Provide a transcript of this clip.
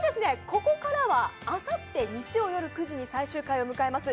ここからはあさって日曜夜９時に最終回を迎えます